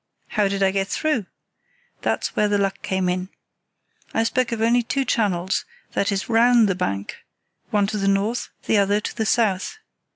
How did I get through? That's where the luck came in. I spoke of only two channels, that is, round the bank—one to the north, the other to the south.